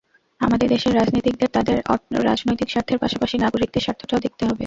আমাদের দেশের রাজনীতিকদের তাঁদের রাজনৈতিক স্বার্থের পাশাপাশি নাগরিকদের স্বার্থটাও দেখতে হবে।